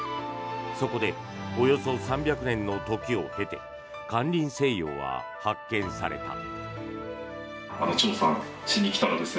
そこでおよそ３００年の時を経て「間林清陽」は発見された。